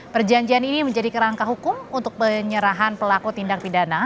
perjanjian ini menjadi kerangka hukum untuk penyerahan pelaku tindak pidana